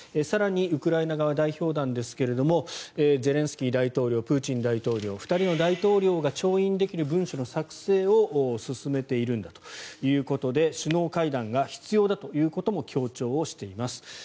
更に、ウクライナ側代表団ですがゼレンスキー大統領プーチン大統領２人の大統領が調印できる文書の作成を進めているんだということで首脳会談が必要だということも強調しています。